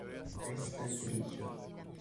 Testa Grigia